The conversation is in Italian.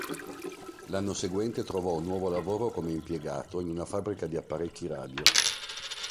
L'anno seguente trovò un nuovo lavoro come impiegato in una fabbrica di apparecchi radio.